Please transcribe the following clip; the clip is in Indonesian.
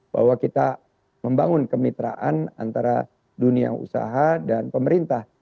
bahwa kita membangun kemitraan antara dunia usaha dan pemerintah